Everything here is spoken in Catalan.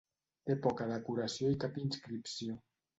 Té poca decoració i cap inscripció.